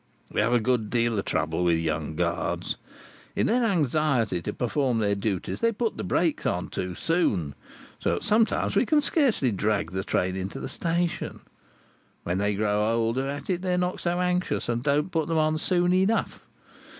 We have a good deal of trouble with young guards. In their anxiety to perform their duties, they put on the brakes too soon, so that sometimes we can scarcely drag the train into the station; when they grow older at it they are not so anxious, and don't put them on soon enough.